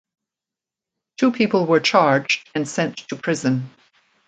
Two people were charged and sent to prison.